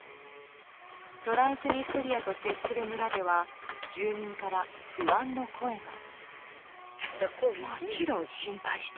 トランスニストリアと接する村では住民から不安の声が。